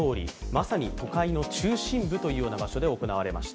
まさに都会の中心部というような場所で行われました。